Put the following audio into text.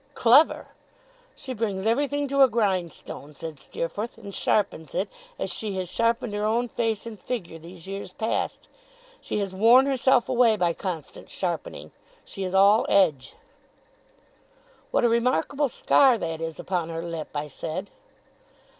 'Clever! She brings everything to a grindstone,' said Steerforth, and sharpens it, as she has sharpened her own face and figure these years past. She has worn herself away by constant sharpening. She is all edge.' 'What a remarkable scar that is upon her lip!' I said.